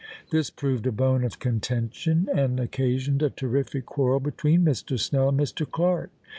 "This proved a bone of contention, and occasioned a terrific quarrel between Mr. Snell and Mr. Clark.